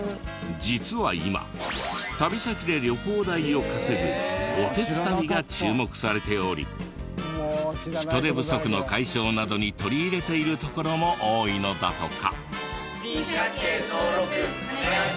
実は今旅先で旅行代を稼ぐおてつ旅が注目されており人手不足の解消などに取り入れているところも多いのだとか。